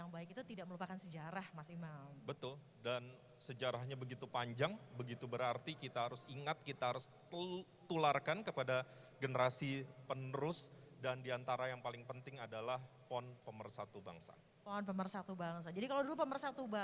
berdasarkan kepres nomor enam